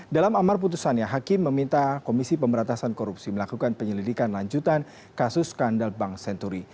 dalam amar putusannya hakim meminta komisi pemberantasan korupsi melakukan penyelidikan lanjutan kasus skandal bank senturi